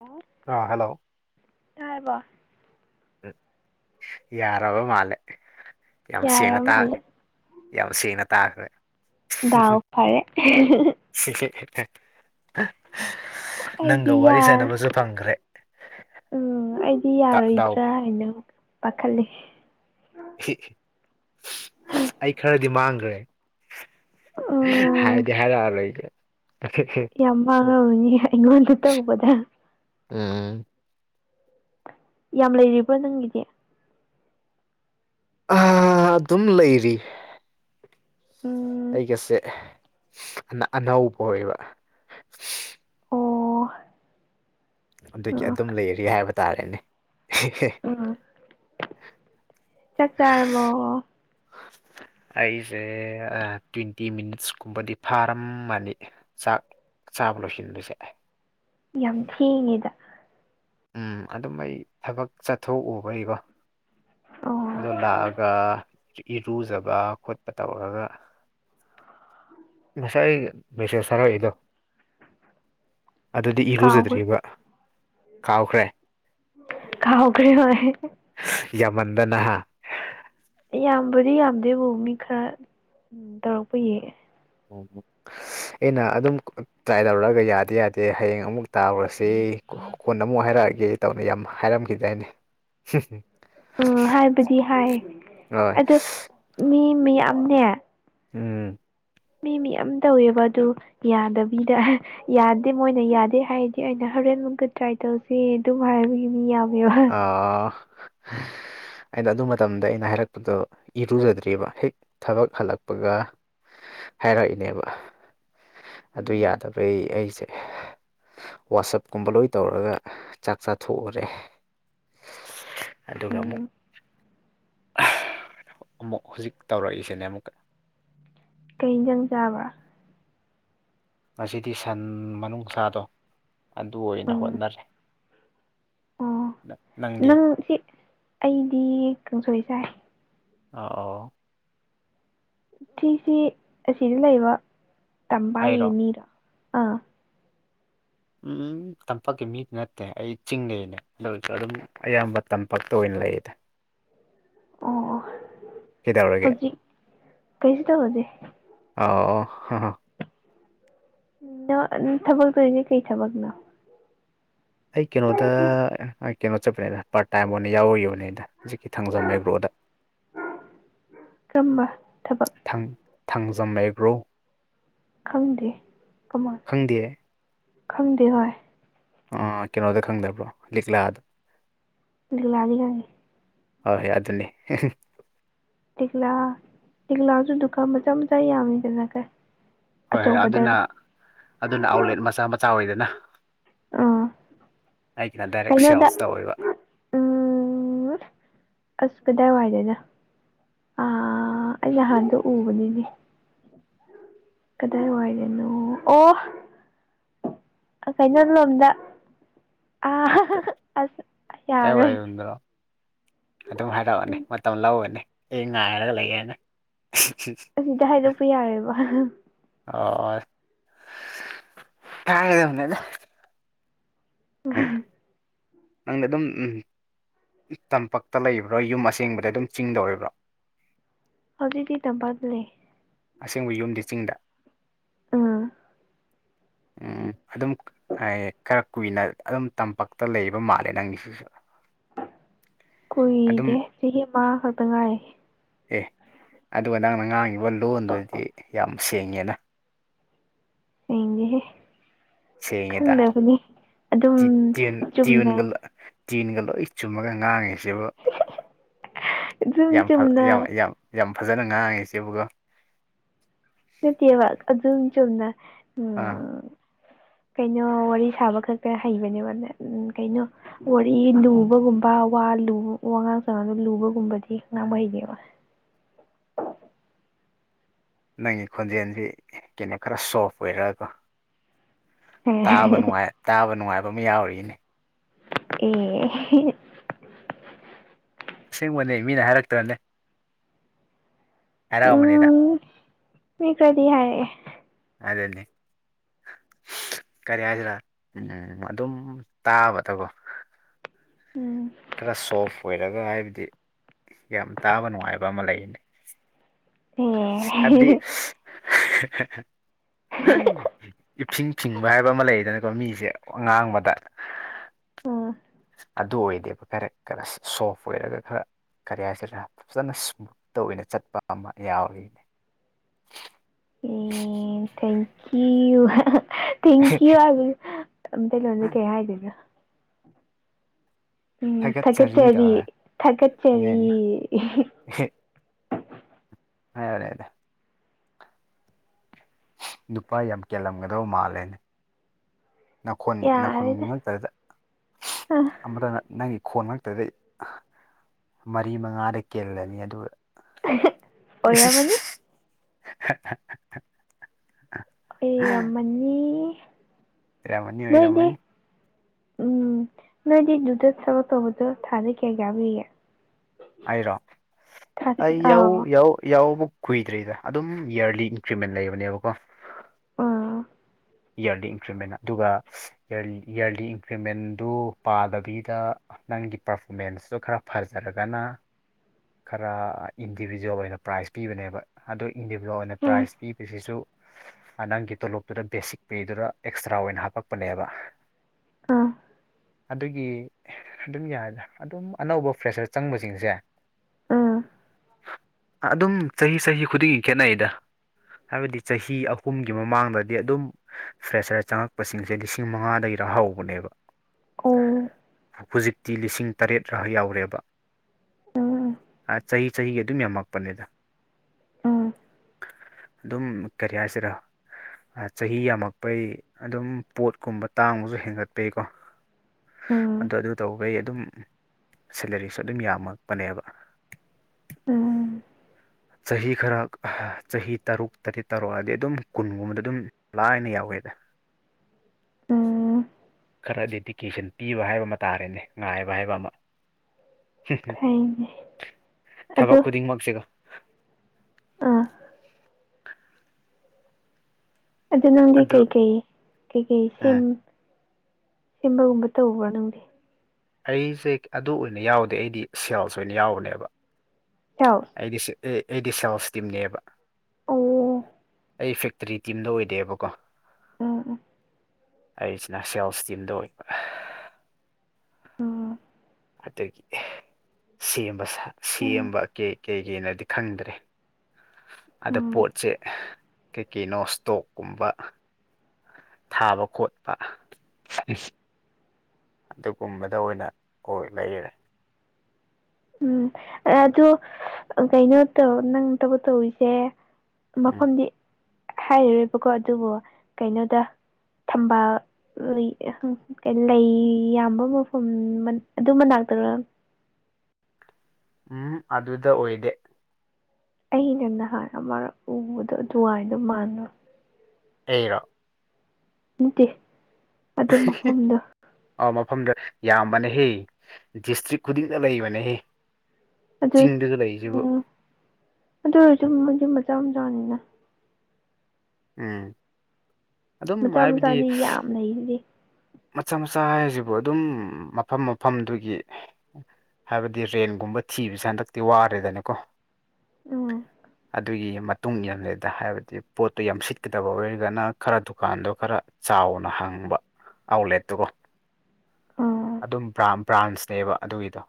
ꯑꯣ [unintelligible] ꯑꯥ ꯍꯜꯂꯣ ꯇꯥꯔꯕꯣ ꯌꯥꯔꯕ ꯃꯥꯜꯂꯦ ꯌꯥꯝ ꯌꯥꯔ ꯁꯦꯡꯅ ꯇꯥꯢ ꯃꯥꯜꯂꯦ ꯌꯥꯝ ꯁꯦꯡꯅ ꯇꯥꯈ꯭ꯔꯦ ꯗꯥꯎ ꯐꯔꯦ ꯍ ꯍ [unintelligible] ꯅꯪꯒ ꯑꯩꯗꯤ ꯋꯥꯔꯤ ꯌꯥꯔ ꯁꯅꯕꯁꯨ ꯐꯪꯈ꯭ꯔꯦ ꯎꯝ ꯑꯩꯗꯤ ꯇ- ꯗꯥꯎ ꯌꯥꯔꯣꯢꯗ꯭ꯔꯥ ꯍꯥꯢꯅ ꯄꯥꯈꯠꯂ ꯑꯩ ꯈꯔꯗꯤ ꯃꯥꯡꯈ꯭ꯔꯦ ꯎꯝ ꯍꯥꯏꯗꯤ ꯍꯥꯏꯔꯛ ꯑꯔꯣꯢꯒꯦ ꯌꯥꯝ ꯋꯥꯔꯝꯃꯅꯤ ꯑꯩꯉꯣꯟꯗ ꯇꯧꯕꯗ ꯎꯝ ꯌꯥꯝ ꯂꯩꯔꯤꯕ꯭ꯔ ꯅꯪꯒꯤꯁꯦ ꯑ ꯑꯗꯨꯝ ꯂꯩꯔꯤ ꯎꯝ ꯑꯩꯒꯤꯁꯦ ꯑꯅ ꯑꯅꯧꯕ ꯑꯣꯏꯕ ꯑꯣ ꯑ ꯑꯗꯨꯒꯤ ꯑꯗꯨꯝ ꯂꯩꯔꯤ ꯍꯥꯏꯕ ꯇꯥꯔꯦꯅꯦ ꯎꯝ ꯆꯥꯛ ꯆꯥꯔꯕꯣ ꯑ [inaudible] ꯑꯩꯁꯦ ꯑ ꯇ꯭ꯋꯦꯟꯇꯤ ꯃꯤꯅꯠꯁꯀꯨꯝꯕꯗꯤ ꯐꯥꯔꯝꯃꯅꯤ ꯆꯥꯛ ꯆꯥꯕ ꯂꯣꯏꯁꯤꯟꯕꯁꯦ ꯌꯥꯝ ꯊꯦꯡꯉꯦꯗ ꯎꯝ ꯑꯗꯨꯝ ꯑꯩ ꯊꯕꯛ ꯆꯠꯊꯣꯛꯎꯕꯩꯕꯣ ꯑꯣ ꯑꯗꯣ ꯂꯥꯛꯑꯒ ꯏꯔꯨꯖꯕ ꯈꯣꯠꯄ ꯇꯧꯔꯒ ꯉꯁꯥꯏ ꯑꯩ ꯃꯦꯁꯦꯖ ꯊꯥꯔꯛꯏꯗꯣ ꯑꯗꯨꯗꯤ ꯀꯥꯎꯒ꯭ꯔꯦ ꯏꯔꯨꯖꯗ꯭ꯔꯤꯕ ꯀꯥꯎꯈ꯭ꯔꯦ ꯀꯥꯎꯈ꯭ꯔꯦ ꯍꯣꯏ ꯌꯥꯝꯃꯟꯗꯅ ꯌꯥꯝꯕꯨꯗꯤ ꯌꯥꯝꯗꯦꯕꯨ ꯃꯤ ꯈꯔ ꯎ ꯇꯧꯔꯛꯄ ꯌꯦ ꯎꯝ ꯑꯩꯅ ꯑꯗꯨꯝ ꯇ꯭ꯔꯥꯏ ꯇꯧꯔꯛꯑꯒ ꯌꯥꯗꯦ ꯌꯥꯗꯦ ꯍꯌꯦꯡ ꯑꯃꯨꯛ ꯇꯥꯎꯔꯁꯤ ꯀꯣꯟꯅ ꯑꯃꯨꯛ ꯍꯥꯏꯔꯛꯑꯒꯦ ꯇꯧꯅ ꯌꯥꯝ ꯍꯥꯢꯔꯝꯈꯤꯗꯥꯢꯅꯦ ꯎꯝ ꯍꯥꯏꯕꯗꯤ ꯍꯥꯏ ꯍꯣꯏ ꯑꯗꯣ ꯃꯤ ꯃꯌꯥꯝꯅꯦ ꯎꯝ ꯃꯤ ꯃꯤꯌꯥꯝ ꯇꯧꯋꯦꯕ ꯑꯗꯨ ꯌꯥꯗꯕꯤꯗ ꯌꯥꯗꯦ ꯃꯣꯏꯅ ꯌꯥꯗꯦ ꯍꯥꯏꯗꯤ ꯑꯩꯅ ꯍꯣꯔꯦꯟ ꯃꯨꯛꯀ ꯇ꯭ꯔꯥꯏ ꯇꯧꯁꯤ ꯑꯗꯨꯝ ꯍꯥꯏꯕꯅꯦ ꯌꯥꯝ ꯑꯥ [unintelligible] ꯑꯩꯅ ꯑꯗꯨ ꯃꯇꯝꯗ ꯑꯩꯅ ꯍꯥꯏꯔꯛꯄꯗꯣ ꯏꯔꯨꯖꯗ꯭ꯔꯤꯕ ꯍꯦꯛ ꯊꯕꯛ ꯍꯜꯂꯛꯄꯒ ꯍꯥꯏꯔꯛꯏꯅꯦꯕ ꯑꯗꯨ ꯎꯝ ꯌꯥꯗꯕꯩ ꯑꯩꯁꯦ ꯋꯥꯁꯞꯀꯨꯝꯕ ꯂꯣꯏ ꯇꯧꯔꯒ ꯆꯥꯛ ꯆꯥꯊꯣꯛꯎꯔꯦ ꯑꯗꯨꯒ ꯑꯃꯨꯛ ꯎꯝ ꯑꯃꯨꯛ ꯍꯧꯖꯤꯛ ꯇꯧꯔꯛꯏꯁꯤꯅꯦ ꯑꯃꯨꯛꯀ ꯀꯩ ꯏꯟꯖꯥꯡ ꯆꯥꯕ ꯉꯁꯤꯗꯤ ꯁꯟ ꯃꯅꯨꯡꯁꯥꯗꯣ ꯑꯗꯨ ꯑꯣꯏꯅ ꯎꯝ ꯍꯣꯠꯅꯔꯦ꯫ ꯑꯣ ꯅꯪꯗꯤ ꯅꯪ ꯁꯤ ꯑꯩꯗꯤ ꯀꯥꯡꯁꯣꯏ ꯆꯥꯏ꯫ ꯑꯥ ꯑꯣ꯫ ꯁꯤꯁꯤ ꯑꯁꯤꯗ ꯂꯩꯕ ꯇꯝꯕꯥꯡꯒꯤ ꯑꯩꯔꯣ ꯃꯤꯔꯣ ꯑꯥ꯫ ꯎꯝ ꯇꯝꯄꯥꯛꯀꯤ ꯃꯤꯗꯤ ꯅꯠꯇꯦ ꯑꯩ ꯆꯤꯡꯗꯩꯅꯦ ꯑꯗꯨ ꯑꯣꯏꯁꯨ ꯑꯗꯨꯝ꯫ ꯑꯌꯥꯝꯕ ꯇꯝꯄꯥꯛꯛꯇ ꯑꯣꯏꯅ ꯂꯩꯌꯦꯗ꯫ ꯑꯣ ꯑꯣ ꯀꯩꯗꯧꯔꯒꯦ ꯍꯧꯖꯤꯛ ꯀꯩꯁꯨ ꯇꯧꯗꯦ꯫ ꯑ ꯑꯣ ꯍ ꯍ ꯅꯣ ꯎꯝ ꯊꯕꯛ ꯇꯧꯔꯤꯖꯦ ꯀꯩ ꯊꯕꯛꯅꯣ꯫ ꯑꯩ ꯀꯩꯅꯣꯗ ꯑ ꯀꯩꯅꯣ ꯆꯠꯄꯅꯦꯗ꯫ ꯄꯥꯔꯠ ꯇꯥꯏꯝ ꯑꯣꯏꯅ ꯌꯥꯎꯔꯨꯌꯨꯅꯦꯗ ꯍꯧꯖꯤꯛꯀꯤ ꯊꯥꯡꯖꯝ ꯑꯦꯒ꯭ꯔꯣꯗ꯫ ꯀꯝꯕ ꯊꯕꯛ꯫ ꯥꯊꯡ ꯊꯥꯡꯖꯝ ꯑꯦꯒ꯭ꯔꯣ꯫ ꯈꯪꯗꯦ ꯀꯃꯟ ꯈꯪꯗꯦ ꯈꯪꯗꯦ ꯍꯣꯏ ꯑ ꯀꯩꯅꯣꯗꯣ ꯈꯪꯗꯕ꯭ꯔꯣ ꯂꯤꯛꯂꯥꯗꯣ ꯂꯤꯛꯂꯥꯗꯤ ꯈꯡꯒꯦ ꯍꯣꯏ ꯍꯣꯏ ꯑꯗꯨꯅꯤ ꯂꯤꯛꯂꯥ ꯂꯤꯛꯂꯥꯁꯨ ꯗꯨꯀꯥꯟ ꯃꯆꯥ ꯃꯆꯥ ꯌꯥꯝꯃꯤꯗꯅ ꯀꯣ ꯍꯣꯏ ꯍꯣꯏ ꯑꯗꯨꯅ ꯑꯗꯨꯅ ꯑꯥꯎꯂꯦꯠ ꯃꯆꯥ ꯃꯆꯥ ꯑꯣꯏꯗꯅ ꯑꯥ ꯑꯩꯒꯤꯅ ꯗꯥꯏꯔꯦꯛ ꯀꯩꯅꯣꯗ ꯁꯦꯜꯁ ꯇꯧꯋꯦꯕ ꯎꯝ ꯑꯁ ꯀꯗꯥꯏꯋꯥꯏꯗꯅꯣ ꯑꯥ ꯑꯩ ꯅꯍꯥꯟꯗꯣ ꯎꯕꯅꯤꯅꯦ ꯀꯗꯥꯏꯋꯥꯏꯗꯅꯣ ꯑꯣ ꯑ‌ ꯀꯩꯅꯣꯂꯣꯝꯗ ꯌꯥꯔꯣꯏ ꯀꯥꯏꯋꯥꯏꯗꯅꯣ ꯑꯗꯨꯝ ꯍꯥꯏꯔꯛꯑꫭꯅ‌ꯦ ꯎꯝ ꯃꯇꯝ ꯂꯧꯔꯅ‌ꯦ ꯑꯦ ꯉꯥꯏꯔꯒ ꯂꯩꯌꯦꯅ‌ꯦ ꯑꯁꯤꯗ ꯍꯥꯏꯗꯣꯛꯄ ꯌꯥꯔꯦꯕ ꯑꯣ ꯇꯥꯒꯗꯝꯅꯤꯗ ꯑꯥ ꯅꯪꯅ ꯑꯗꯨꯝ ꯇꯝꯄꯛꯇ ꯂꯩꯕ꯭ꯔꯣ ꯌꯨꯝ ꯑꯁꯦꯡꯕꯗ ꯑꯗꯨꯝ ꯆꯤꯡꯗ ꯑꫭꯏꯕ꯭ꯔꯣ ꯍꯧꯖꯤꯗꯤ ꯇꯝꯄꯥꯛꯇꯂꯦ ꯑꯁꯦꯡꯕ ꯌꯨꯝꯗꯤ ꯆꯤꯡꯗ ꯎꯝ ꯎꯝ ꯑꯗꯨꯝ ꯑꯩ ꯈꯔ ꯀꯨꯏꯅ ꯑꯗꯨꯝ ꯇꯝꯄꯥꯛꯛꯇ ꯂꯩꯕ ꯃꯥꯜꯂꯦ ꯅꯪꯒꯤꯁꯤꯁꯨ ꯑꯗꯨꯝ ꯀꯨꯏꯗꯦ ꯆꯍꯤ ꯑꯃ ꯈꯛꯇ ꯉꯥꯏ ꯑꯦ ꯑꯗꯨꯒ ꯅꯪꯅ ꯉꯥꯡꯉꯤꯕ ꯂꯣꯟꯗꯨꯗꯤ ꯌꯥꯝ ꯁꯦꯡꯉꯦꯅ ꯁꯦꯡꯗꯦꯍꯦ ꯁꯦꯡꯒꯦꯗꯥ ꯑꯗꯨꯝ ꯇꯤ ꯇ꯭ꯌꯨꯟ ꯆꯨꯝꯅ ꯇ꯭ꯌꯨꯟꯒ ꯂꯣꯏ ꯇꯤꯟꯒ ꯂꯣꯏ ꯆꯨꯝꯃꯒ ꯉꯥꯡꯉꯤꯁꯤꯕꯨ ꯑꯗꯨꯝ ꯌꯥꯝ ꯐ ꯆꯨꯝꯅ ꯌꯥꯝ ꯌꯥꯝ ꯌꯥꯝ ꯐꯖꯅ ꯉꯥꯡꯉꯤꯁꯤꯕꯀꯣ ꯅꯠꯇꯦꯕ ꯑꯗꯨꯨꯝ ꯆꯨꯝꯅ ꯑꯥ ꯎꯝ ꯀꯩꯅꯣ ꯋꯥꯔꯤ ꯁꯥꯕ ꯈꯛꯇ ꯍꯩꯕꯅꯦꯕ ꯑꯗꯨꯅ ꯎꯝ ꯀꯩꯅꯣ ꯋꯥꯔꯤ ꯂꯨꯕꯒꯨꯝꯕ ꯋꯥ ꯂꯨ ꯋꯥꯉꯥꯡ ꯁꯉꯥꯡꯗꯣ ꯂꯨꯕꯒꯨꯝꯕꯗꯤ ꯉꯥꯡꯕ ꯍꯩꯇꯦꯕ ꯅꯪꯒꯤ ꯈꯣꯟꯖꯦꯟꯁꯤ ꯀꯩꯅꯣ ꯈꯔ ꯁꯣꯐ ꯑꯣꯏꯔꯀꯣ ꯇꯥꯕ ꯅꯨꯡꯉꯥꯏ ꯇꯥꯕ ꯅꯨꯡꯉꯥꯏꯕ ꯑꯃ ꯌꯥꯎꯔꯤꯅꯦ ꯑꯦ ꯑꯁꯦꯡꯕꯅꯦ ꯃꯤꯅ ꯍꯥꯏꯔꯛꯇ꯭ꯔꯅꯦ ꯍꯥꯏꯔꯛꯑꯝꯒꯅꯤꯗ ꯎꯝ ꯃꯤ ꯈꯔꯗꯤ ꯍꯥꯏꯔꯛꯑꯦ ꯑꯗꯨꯅꯦ ꯀꯔꯤ ꯍꯥꯏꯁꯤꯔꯥ ꯎꯝ ꯑꯗꯨꯝ ꯇꯥꯕꯗꯀꯣ ꯎꯝ ꯈꯔ ꯁꯣꯐ ꯑꯣꯏꯔꯒ ꯍꯥꯏꯕꯗꯤ ꯌꯥꯝ ꯇꯥꯕ ꯅꯨꯡꯉꯥꯏꯕ ꯑꯃ ꯂꯩꯅꯤ ꯍꯥꯏꯕꯗꯤ ꯑꯦ [unintelligible] ꯏꯐꯤꯡ ꯐꯤꯡꯕ ꯍꯥꯏꯕ ꯑꯃ ꯂꯩꯗꯅꯀꯣ ꯃꯤꯁꯦ ꯋꯥꯉꯥꯡꯕꯗ ꯎꯝ ꯑꯗꯨ ꯑꯣꯏꯗꯦꯕꯔ ꯈꯔ ꯁꯣꯐ ꯑꯣꯏꯔꯒ ꯈꯔ ꯀꯔꯤ ꯍꯥꯏꯁꯤꯔ ꯐꯖꯅ ꯁꯃꯨ ꯇ ꯑꯣꯏꯅ ꯆꯠꯄ ꯑꯃ ꯌꯥꯎꯔꯤꯅꯦ ꯎ ꯊꯦꯡꯀꯌꯨ ꯊꯦꯡꯀꯌꯨ ꯃꯩꯇꯩ ꯂꯣꯟꯗ ꯀꯩ ꯍꯥꯏꯗꯣꯏꯅꯣ ꯎꯝ ꯊꯥꯒꯠꯆꯔꯤ ꯊꯀꯠꯆꯔꯤ ꯇꯧꯔ ꯊꯀꯠꯆꯔꯤ ꯎꯝ [unintelligible] ꯅꯨꯄꯥ ꯌꯥꯝ ꯀꯦꯜꯂꯝꯒꯗꯕ ꯃꯥꯜꯂꯦꯅꯦ ꯅꯥꯈꯣꯟ ꯅꯥꯈꯣꯟ ꯌꯥꯔꯦꯗ [unintelligible] ꯑꯥ ꯑꯃꯔꯥꯅꯥ ꯅꯪꯒꯤ ꯈꯣꯟ ꯃꯔꯛꯇꯗꯩ ꯃꯔꯤ ꯃꯉꯥꯗ ꯀꯦꯜꯂꯅꯤ ꯑꯗꯨꯒ ꯏꯁꯁ ꯑꯣꯏꯔꯝꯃꯅꯤ ꯑꫭꯏꯔꯝꯃꯅꯤ ꯑꯣꯏꯔꯝꯃꯅꯤ ꯅꯣꯏꯗꯤ ꯑꯣꯏꯔꯝꯃꯅꯤ ꯎꯝ ꯅꯣꯏꯗꯤ ꯗꯨꯗ ꯊꯕꯛ ꯇꯧꯕꯗꯣ ꯊꯥꯗ ꯀꯌꯥ ꯀꯌꯥ ꯄꯤꯒꯦ ꯑꯩꯔꯣ ꯊꯥ ꯑꯩ ꯌꯥꯎ ꯑꯥꯎ ꯌꯥꯎ ꯌꯥꯎꯕꯨꯛ ꯀꯨꯏꯗ꯭ꯔꯤꯗ ꯑꯗꯨꯝ ꯌꯔꯂꯤ ꯏꯟꯀ꯭ꯔꯤꯃꯦꯟ ꯂꯩꯕꯅꯦꯕꯀꯣ ꯎꯝ ꯌꯔꯂꯤ ꯏꯟꯀ꯭ꯔꯤꯃꯦꯟ ꯑꯗꯨꯒ ꯌꯔꯂꯤ ꯌꯔꯂꯤ ꯏꯟꯀ꯭ꯔꯤꯃꯦꯟꯗꯨ ꯄꯥꯗꯕꯤꯗ ꯅꯪꯒꯤ ꯄꯔꯐꯣꯃꯦꯟꯁꯁꯨ ꯈꯔ ꯐꯖꯔꯒꯅ ꯈꯔ ꯏꯟꯗꯤꯕꯤꯖꯨꯋꯦꯜ ꯑꯣꯏꯅ ꯄ꯭ꯔꯥꯏꯖ ꯄꯤꯕꯅꯦꯕ ꯑꯗꯨ ꯏꯟꯗꯤꯚꯂꯣ ꯑꯣꯏꯅ ꯎꯝ ꯄ꯭ꯔꯥꯏꯖ ꯄꯤꯕꯁꯤꯁꯨ ꯅꯪꯒꯤ ꯇꯣꯂꯣꯞꯇꯨꯗ ꯕꯦꯁꯤꯛ ꯄꯦꯗꯨꯗ ꯑꯦꯛꯁꯇ꯭ꯔꯥ ꯑꯣꯏꯅ ꯍꯥꯞꯄꯛꯄꯅꯦꯕ ꯑ ꯑꯗꯨꯒꯤ ꯑꯗꯨꯝ ꯌꯥꯏꯗ ꯑꯗꯨꯝ ꯑꯅꯧꯕ ꯐ꯭ꯔꯦꯁꯔ ꯆꯪꯕꯁꯤꯡꯁꯦ꯫ ꯑꯥ ꯑꯗꯨꯝ ꯆꯍꯤ ꯆꯍꯤ ꯈꯨꯗꯤꯡꯒꯤ ꯈꯦꯠꯅꯩꯌ‌ꯦꯗ꯫ ꯍꯥꯏꯕꯗꯤ ꯆꯍꯤ ꯑꯍꯨꯝꯒꯤ ꯃꯃꯥꯡꯗꯗꯤ ꯑꯗꯨꯝ꯫ ꯐ꯭ꯔꯦꯔꯁ ꯆꯪꯉꯛꯄꯁꯤꯡꯁꯦ ꯂꯤꯁꯤꯡ ꯃꯉꯥꯗꯩꯔ ꯍꯧꯕꯅꯦꯕ ꯑꯣ ꯍꯨꯖꯤꯛ ꯇꯤ ꯂꯤꯁꯤꯡ ꯇꯔꯦꯠꯔ ꯌꯥꯎꯔꯦꯕ꯫ ꯎꯝ ꯑꯥ ꯆꯍꯤ ꯆꯍꯤꯒꯤ ꯑꯗꯨꯝ ꯌꯥꯝꯃꯛꯄꯅꯦꯗ꯫ ꯎꯝ ꯑꯗꯨꯝ ꯀꯔꯤ ꯍꯥꯏꯁꯤꯔꯥ ꯑ ꯆꯍꯤ ꯌꯥꯝꯃꯛꯄꯩ ꯑꯗꯨꯝ ꯄꯣꯠꯀꯨꯝꯕ ꯇꯥꯡꯕꯁꯨ ꯍꯦꯟꯒꯠꯄꯩꯀꯣ꯫ ꯑꯗꯣ ꯎꯝ ꯑꯗꯨ ꯇꯧꯕꯩ ꯑꯗꯨꯝ ꯁꯦꯂꯔꯤꯁꯨ ꯑꯗꯨꯝ ꯌꯥꯝꯃꯛꯄꯅꯦꯕ꯫ ꯎꯝ ꯆꯍꯤ ꯈꯔ ꯆꯍꯤ ꯇꯔꯨꯛ ꯇꯔꯦꯠ ꯇꯔꯨꯑꯗꯤ ꯑꯗꯨꯝ ꯀꯨꯟꯒꯨꯝꯕꯗ ꯑꯗꯨꯝ ꯂꯥꯏꯅ ꯌꯥꯎꯋꯦꯗ ꯎꯝ ꯈꯔ ꯗꯦꯗꯤꯀꯦꯁꯟ ꯄꯤꯕ ꯍꯥꯏꯕ ꯑꯃ ꯇꯥꯔꯦꯅꯦ ꯉꯥꯏꯕ ꯍꯥꯏꯕ ꯑꯃ ꯐꯩꯅꯦ ꯑꯗꯨ ꯊꯕꯛ ꯈꯨꯗꯤꯡꯃꯛꯁꯤꯒ ꯑꯥ ꯑꯗꯨ ꯅꯪꯗꯤ ꯀꯩꯀꯩ ꯀꯩꯀꯩ ꯁꯤꯝ ꯎꯝ ꯁꯦꯝꯕꯒꯨꯝꯕ ꯇꯧꯕ꯭ꯔ ꯅꯪꯗꯤ ꯑꯩꯁꯦ ꯑꯗꯨ ꯑꯣꯏꯅ ꯌꯥꯎꯗꯦ ꯑꯩꯗꯤ ꯁꯦꯜꯁ ꯑꯣꯏꯅ ꯌꯥꯎꯕꯅꯦꯕ ꯁꯦꯜꯁ ꯑꯩꯗꯤ ꯁꯦ ꯑꯦ ꯑꯩꯗꯤ ꯁꯣꯜꯁ ꯇꯤꯝꯅꯦꯕ ꯑꯣ ꯑꯩ ꯐꯦꯛꯇꯔꯤ ꯇꯤꯝꯗ ꯑꯣꯏꯗꯦꯕꯀꯣ ꯎꯝ ꯎꯝ ꯑꯩꯁꯤꯅ ꯁꯦꯜꯁ ꯇꯤꯝꯗ ꯑꯣꯏꯕ꯫ ꯂꯧꯁꯤꯟꯕ ꯉꯝꯗꯕ ꯍꯗꯒꯤ ꯑꯦ ꯁꯦꯝꯕ ꯁꯥ ꯎꯝ ꯁꯦꯝꯕ ꯀꯦ ꯀꯩꯒꯤꯅꫭꯗꯤ ꯈꯪꯗ꯭ꯔꯦ ꯑꯗ ꯎꯝ ꯄꯣꯠꯁꯦ ꯑꯍ ꯀꯩ ꯀꯩꯅꯣ ꯏꯁꯇꯣꯛꯀꯨꯝꯕ ꯊꯥꯕ ꯈꯣꯠꯄ ꯆꯠꯂꯤꯁꯦ ꯑꯗꯨꯒꯨꯝꯕꯗ ꯑꯣꯏꯅ ꯀꯣꯏ ꯂꯩꯔꯦ ꯎꯝ ꯑ ꯑꯗꯨ ꯑ ꯀꯩꯅꯣ ꯇꯧ ꯅꯪ ꯊꯕꯛ ꯇꯧꯔꯤꯁꯦ ꯎꯝ ꯃꯐꯝꯗꯤ ꯍꯥꯏꯔꯔꯣꯏꯕꯀꯣ ꯑꯗꯨꯕꯨ ꯀꯩꯅꯣꯗ ꯊꯕꯥꯜ ꯑ ꯂꯩ ꯀꯩꯅꯣ ꯂꯩ ꯌꯥꯝꯕ ꯃꯐꯝ ꯃꯟ ꯑꯗꯨ ꯃꯅꯥꯛ ꯇꯔꯪ ꯎꯝ ꯍꯞ ꯑꯗꯨꯗ ꯑꯣꯏꯗꯦ ꯑꯩꯅ ꯅꯍꯥꯟ ꯑꯃꯔꯛ ꯎꯕꯗꯣ ꯑꯗꯨꯋꯥꯏꯗꯣ ꯃꯥꯟꯕ ꯑ‌ꯩꯔꫭ ꯅꯠꯇꯦ ꯑꯗꯨ ꯑꯍꯤ ꯍꯤ ꯃꯐꯝꯗꯣ ꯑꯥ ꯃꯐꯝꯗ ꯌꯥꯝꯕꯅꯦꯍꯦ ꯗꯤꯁꯇ꯭ꯔꯤꯛ ꯈꯨꯗꯤꯡꯗ ꯂꯩꯕꯅꯦꯍꯦ ꯑꯗꯨ ꯆꯤꯡꯗꯁꯨ ꯂꯩꯔꯤꯁꯤꯕꯨ ꯎꯝ ꯑꯗꯨ ꯑꯣꯏꯔꯖꯨꯝ ꯖꯨꯝ ꯃꯆꯥ ꯃꯆꯥꯅꯤꯅ ꯎꯝ ꯑꯗꯨꯝ ꯍꯥꯏꯕꯗꯤ ꯁꯁ ꯂꯩꯕꯗꯤ ꯃꯆꯥ ꯃꯆꯥ ꯍꯥꯏꯖꯤꯕꯨ ꯑꯗꯨꯝ ꯃꯐꯝ ꯃꯐꯝꯗꯨꯒꯤ ꯍꯥꯏꯕꯗꯤ ꯔꯦꯟꯒꯨꯝꯕ ꯊꯤꯕꯁꯦ ꯍꯟꯗꯛꯇꯤ ꯋꯥꯔꯦꯗꯅꯀꯣ ꯎꯝ ꯑꯗꯨꯒꯤ ꯃꯇꯨꯡ ꯌꯥꯟꯂꯦꯗ ꯍꯥꯏꯕꯗꯤ ꯄꯣꯠꯇꯣ ꯌꯥꯝ ꯁꯤꯠꯀꯗꯕ ꯑꯣꯏꯔꯒꯅ ꯈꯔ ꯗꯨꯀꯥꯟꯗꯣ ꯈꯔ ꯆꯥꯎꯅ ꯍꯥꯡꯕ ꯑꯥꯎꯂꯦꯠꯇꯨꯀꯣ ꯎꯝ ꯑꯗꯨꯝ ꯕ꯭ꯔꯥꯝ ꯕ꯭ꯔꯥꯟꯁꯅꯦꯕ ꯑꯗꯨꯒꯤꯗꯣ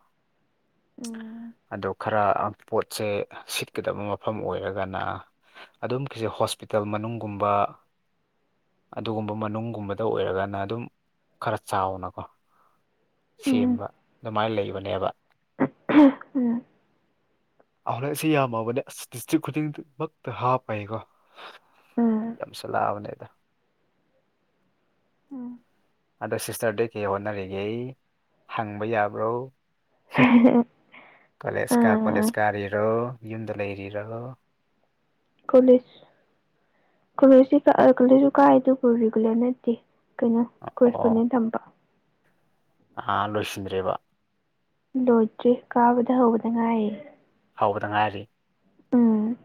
ꯎꯝ ꯑꯗꯨ ꯈꯔ ꯑ ꯄꯣꯠꯁꯦ ꯁꯤꯠꯀꯗꯕ ꯃꯐꯝ ꯑꯣꯏꯔꯒꯅ ꯑꯗꯨꯝ ꯈꯤꯁꯦ ꯍꯣꯁꯄꯤꯇꯥꯜ ꯃꯅꯨꯡꯒꯨꯝꯕ ꯑꯗꯨꯒꯨꯝꯕ ꯃꯅꯨꯡꯒꯨꯝꯕꯗ ꯑꯣꯏꯔꯒꯅ ꯑꯗꯨꯝ ꯈꯔ ꯆꯥꯎꯅꯀꯣ ꯎꯝ ꯁꯦꯝꯕ ꯑꯗꯨꯃꯥꯏ ꯂꯩꯕꯅꯦꯕ ꯎꯝ ꯑꯥꯎꯂ‌ꯦꯠꯁ‌ꯦ ꯌꯥꯝꯃꯕꯅꯦ ꯑꯁ ꯗꯤꯁꯇ꯭ꯔꯤꯛ ꯈꯨꯗꯤꯡꯃꯛꯇ ꯍꯥꯞꯄꯩꯀꯣ ꯌꯥꯝꯁꯜꯂꯛꯑꯕꯅ‌ꯦꯗ ꯎꯝ ꯎꯝ ꯑꯗꯣ ꯁꯤꯁꯇꯔꯗꯤ ꯀꯩ ꯍꯣꯠꯅꯔꯤꯒꯦ ꯍꯪꯕ ꯌꯥꯕ꯭ꯔꯣ ꯀꯣꯂꯦꯖ ꯀꯥ ꯀꯣꯂꯦꯖ ꯑ ꯀꯥꯔꯤꯔꯣ ꯌꯨꯝꯗ ꯂꯩꯔꯤꯔꯣ ꯀꯣꯂꯦꯖ ꯀꯣꯂꯦꯖꯁꯤ ꯀꯥ ꯑ ꯀꯣꯂꯦꯖꯁꯨ ꯀꯥꯏ ꯑꯗꯨꯕꯨ ꯔꯤꯒꯨꯂꯔ ꯅꯠꯇꯦ ꯀꯩꯅꯣ ꯑꯣ ꯀꯣꯔꯦꯖꯄꯣꯟꯗꯦꯟ ꯊꯝꯕ ꯑꯥ ꯂꯣꯏꯁꯤꯟꯗ꯭ꯔꯤꯕ ꯂꯣꯏꯗꯔꯤ ꯀꯥꯕꯗ ꯍꯧꯕꯗ ꯉꯥꯏꯔꯤ ꯍꯧꯕꯗ ꯉꯥꯏꯔꯤ ꯎꯝ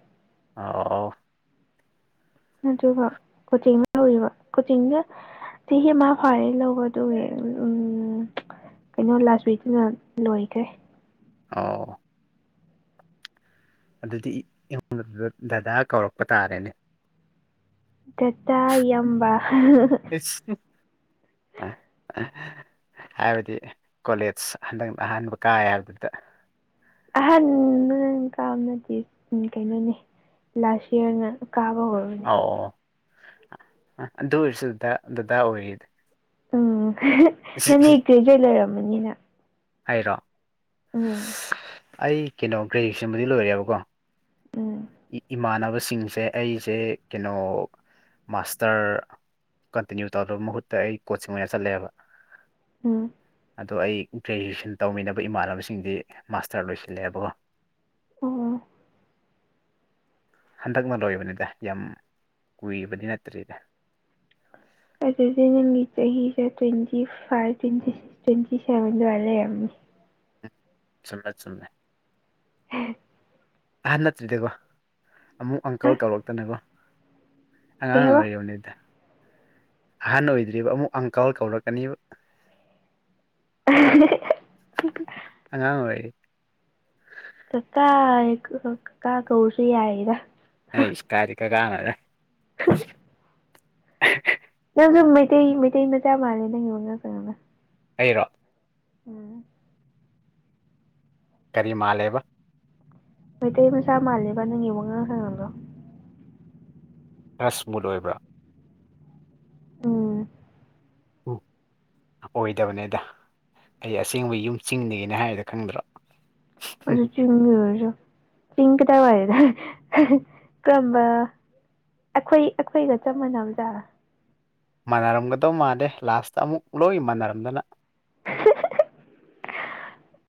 ꯑꯥ ꯑꯥꯎ ꯑꯥꯎ ꯑꯗꯨꯒ ꯀꯣꯆꯤꯡ ꯌꯥꯎꯔꯤꯕ ꯀꯣꯆꯤꯡꯖꯦ ꯆꯍꯤ ꯑꯃ ꯐꯥꯔꯦ ꯂꯧꯕ ꯑꯗꯨꯒꯤ ꯎꯝ ꯎꯝ ꯎꯝ ꯀꯩꯅꯣ ꯂꯥꯁ ꯋꯤꯛꯅ ꯂꯣꯏꯒ꯭ꯔꯦ ꯑꯥꯎ ꯑꯣ ꯑꯗꯨꯗꯤ ꯑꯩꯉꯣꯟꯗ ꯗꯗ ꯗꯗꯥ ꯀꯧꯔꯛꯄ ꯇꯥꯔꯦꯅꯦ ꯗꯗꯥ ꯏꯌꯥꯝꯕ ꯍ ꯍ ꯍ [unintelligible] ꯍꯥꯏꯕꯗꯤ ꯀꯣꯂꯦꯖ ꯍꯟꯗꯛꯅ ꯑꯍꯥꯟꯕ ꯀꯥꯏ ꯍꯥꯏꯕꯗꯨꯗ ꯑꯍꯥꯟꯕꯗ ꯀꯥꯕ ꯅꯠꯇꯤꯌꯦ ꯎꯝ ꯀꯩꯅꯣꯅꯦ ꯂꯥꯁ ꯏꯌꯔꯅ ꯀꯥꯕ ꯍꯧꯔ ꯑꯣ ꯑ ꯑꯗꯨ ꯑꯣꯏꯔꯁꯨ [unintelligible] ꯑꯣꯏꯔꯤꯗꯤ ꯎꯝ ꯅꯪꯗꯤ [unintelligible] ꯂꯩꯔꯝꯕꯅꯤꯅ ꯑꯩꯔꯣ ꯑꯩ ꯀꯩꯅꯣ ꯒ꯭ꯔꯦꯖꯨꯋꯦꯁꯟꯕꯨꯗꯤ ꯂꯣꯏꯔꯦꯕꯀꯣ ꯎꯝ ꯏꯃꯥꯟꯅꯕꯁꯤꯡꯁꯦ ꯑꯩꯁꯦ ꯀꯩꯅꯣ ꯃꯥꯁꯇꯔ ꯀꯟꯇꯤꯅ꯭ꯌꯨ ꯇꯧꯗꯕ ꯃꯍꯨꯠꯇ ꯑꯩ ꯀꯣꯆꯤꯡ ꯑꯣꯏꯅ ꯆꯠꯂꯦꯕ ꯎꯝ ꯑꯗꯣ ꯑꯩ ꯒ꯭ꯔꯦꯖꯨꯋꯦꯁꯟ ꯇꯧꯃꯤꯟꯅꯕ ꯏꯃꯥꯟꯅꯕꯁꯤꯡꯗꯤ ꯃꯥꯁꯇꯔ ꯂꯣꯏꯁꯤꯜꯂꯦꯕꯀꯣ ꯑꯣ ꯍꯟꯗꯛꯅ ꯂꯣꯏꯕꯅꯤꯗ ꯌꯥꯝ ꯀꯨꯏꯕꯗꯤ ꯅꯠꯇ꯭ꯔꯤꯗ ꯑꯗꯨꯗꯤ ꯅꯪꯒꯤ ꯆꯍꯤꯁꯦ twenty five twenty six twenty seven ꯑꯗꯨꯋꯥꯏꯗ ꯂꯩꯔꯝꯃꯤ ꯎꯝ ꯆꯨꯝꯃꯦ ꯆꯨꯝꯃꯦ [unintelligible] ꯑꯍꯟ ꯅꯠꯇ꯭ꯔꯤꯗꯀꯣ ꯑꯃꯨꯛ ꯍꯥ ꯑꯪꯀꯜ ꯇꯧꯔꯛꯇꯅꯀꯣ ꯀꯩ ꯑꯉꯥꯡ ꯍꯥꯏꯕ ꯑꯣꯏꯔꯤꯕꯅꯤꯗ ꯑꯍꯥꯟ ꯑꯣꯏꯗ꯭ꯔꯤꯕ ꯑꯃꯨꯛ ꯑꯪꯀꯜ ꯀꯧꯔꯛꯀꯅꯤꯕ ꯑ [unintelligible] [unintelligible] ꯑꯉꯥꯡ ꯑꯣꯏꯔꯤ ꯀꯀꯥ ꯀꯀꯥ ꯀꯧꯔꯁꯨ ꯌꯥꯏꯗ ꯑꯁ ꯀꯥꯏꯗꯩ ꯀꯀꯥꯅꯣꯗ [unintelligible] ꯅꯪꯁꯨ ꯃꯩꯇꯩ ꯃꯩꯇꯩ ꯃꯆꯥ ꯃꯥꯜꯂꯦ ꯅꯪꯒꯤ ꯋꯉꯥꯡ ꯁꯉꯥꯡꯗꯣ ꯑꯩꯔꯣ ꯎꯝ ꯀꯔꯤ ꯃꯥꯥꯜꯂꯦꯕ ꯃꯩꯇꯩ ꯃꯆꯥ ꯃꯥꯜꯂꯤꯕ ꯅꯪꯒꯤ ꯋꯥꯉꯥꯡ ꯁꯉꯥꯡꯗꯣ ꯈꯔ ꯁ꯭ꯃꯨꯠ ꯑꯣꯏꯕ꯭ꯔꯥ ꯎꯝ ꯎꯝ ꯑꯣꯏꯗꯕꯅꯦꯗ ꯑꯩ ꯑꯁꯦꯡꯕ ꯌꯨꯝ ꯆꯤꯡꯗꯩꯒꯤꯅꯦ ꯍꯥꯏꯗꯣ ꯈꯪꯗ꯭ꯔꯣ ꯑꯗꯨ ꯆꯤꯡꯁꯨ ꯑꯣꯏꯔꯁꯨ ꯆꯤꯡ ꯀꯗꯥꯏꯋꯥꯏꯗꯅꯣ [unintelligible] ꯑꯩꯈꯣꯏ ꯑꯩꯈꯣꯏꯒ ꯆꯞ ꯃꯥꯟꯅꯕꯖꯥꯠꯂꯥ ꯃꯥꯟꯅꯔꯝꯒꯗꯧ ꯃꯥꯥꯟꯂꯦ ꯂꯥꯁꯇ ꯑꯃꯨꯛ ꯂꯣꯏ ꯃꯥꯟꯅꯔꯝꯗꯅ